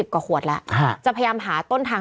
กว่าขวดแล้วจะพยายามหาต้นทาง